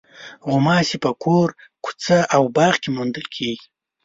غوماشې په کور، کوڅه او باغ کې موندل کېږي.